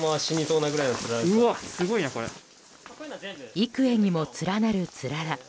幾重にも連なるつらら。